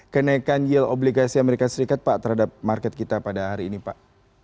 kenaikan yield obligasi amerika serikat pak terhadap market kita pada hari ini pak